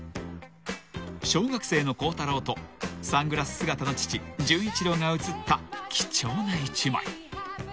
［小学生の孝太郎とサングラス姿の父純一郎が写った貴重な一枚］